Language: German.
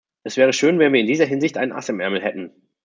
Es wäre schön, wenn wir in dieser Hinsicht ein Ass im Ärmel hätten.